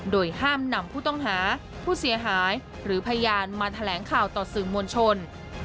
โดยห้ามนำผู้ต้องหาผู้เสียหายหรือพยานมาแถลงข่าวต่อสื่อมวลชน